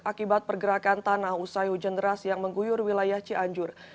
akibat pergerakan tanah usayu jenderas yang mengguyur wilayah cianjur